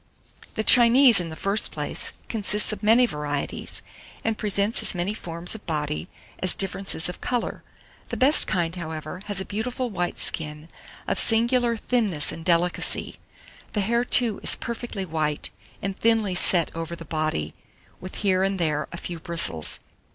The Chinese, in the first place, consists of many varieties, and presents as many forms of body as differences of colour; the best kind, however, has a beautiful white skin of singular thinness and delicacy; the hair too is perfectly white, and thinly set over the body, with here and there a few bristles.